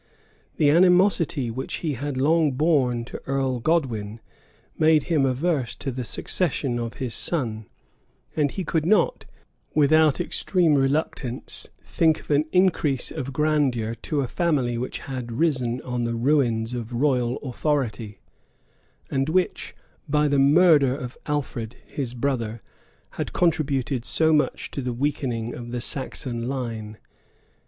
The animosity which he had long borne to Earl Godwin, made him averse to the succession of his son; and he could not, without extreme reluctance, think of an increase of grandeur to a family which had risen on the ruins of royal authority, and which, by the murder of Alfred, his brother, had contributed so much to the weakening of the Saxon line.